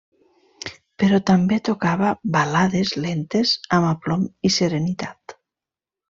Però també tocava balades lentes amb aplom i serenitat.